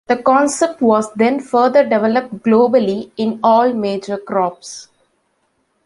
The concept was then further developed globally in all major crops.